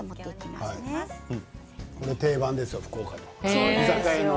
これ定番ですよ、福岡の。